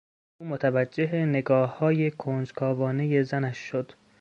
او متوجه نگاههای کنجکاوانهی زنش شد.